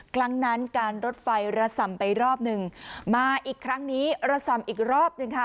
ครั้งนั้นการรถไฟระส่ำไปรอบหนึ่งมาอีกครั้งนี้ระส่ำอีกรอบหนึ่งค่ะ